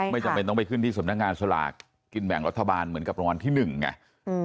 ไม่จำเป็นต้องไปขึ้นที่สมนักงานศาลากินแบ่งรัฐบาลเหมือนกับประวัติธรรมน์ที่๑เนี่ย